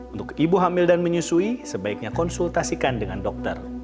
untuk ibu hamil dan menyusui sebaiknya konsultasikan dengan dokter